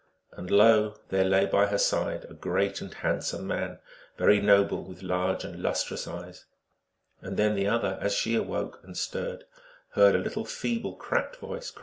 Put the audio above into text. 1 And lo, there lay by her side a great and handsome man, very noble, with large and lustrous eyes. 2 Then the other, as she awoke and stirred, heard a little feeble, cracked voice crying, 1 Sekroon (red ochre).